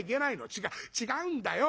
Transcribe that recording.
違う違うんだよ。